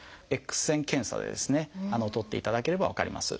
Ｘ線検査でですね撮っていただければ分かります。